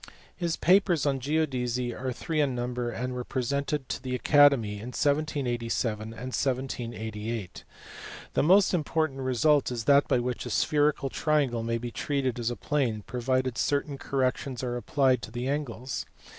His papers on geodesy are three in number and were presented to the Academy in 1787 and 1788. The most im portant result is that by which a spherical triangle may be treated as plane, provided certain corrections are applied to the angles.